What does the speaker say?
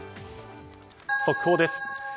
速報です。